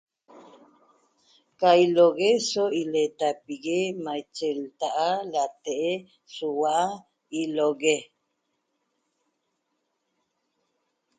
Ca ilo'ogue so ileetapigui' maiche lta'a late'e soua ilo'ogue